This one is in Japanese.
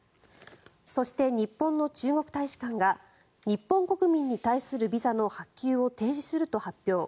そして、日本の中国大使館が日本国民に対するビザの発給を停止すると発表。